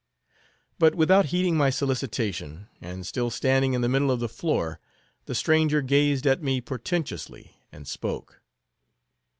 But without heeding my solicitation, and still standing in the middle of the floor, the stranger gazed at me portentously and spoke.